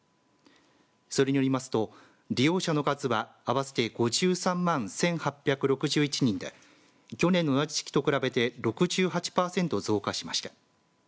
それによりますと利用者の数は合わせて５３万１８６１人で去年の同じ時期と比べて６８パーセント増加しました。